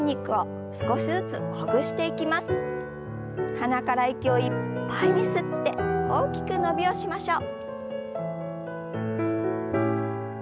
鼻から息をいっぱいに吸って大きく伸びをしましょう。